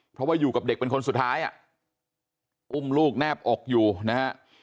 เพราะว่าอยู่กับเด็กเป็นคนสุดท้ายอ่ะอุ้มลูกแนบอกอยู่นะฮะ